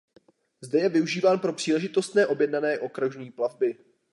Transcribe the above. Zde je využíván pro příležitostné objednané okružní plavby.